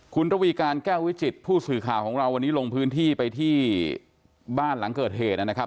คุณระวีการแก้ววิจิตผู้สื่อข่าวของเราวันนี้ลงพื้นที่ไปที่บ้านหลังเกิดเหตุนะครับ